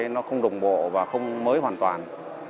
nó không đồng bộ và không mới hoàn toàn